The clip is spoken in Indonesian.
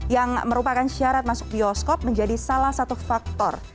yang merupakan syarat masuk bioskop menjadi salah satu faktor